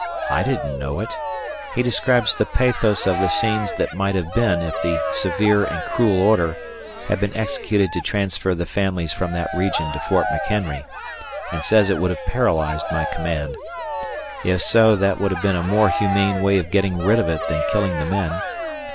I didn't know it. He describes the pathos of the scenes that might have been if the "severe and cruel order" had been executed to transfer the families from that region to Fort McHenry, and says it would have "paralyzed" my command. If so, that would have been a more humane way of getting rid of it than killing the men.